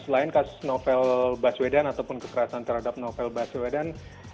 selain kasus novel baswedan ataupun kekerasan terhadap novel baswedan